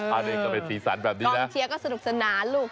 อันนี้ก็เป็นสีสันแบบนี้กองเชียร์ก็สนุกสนานลูก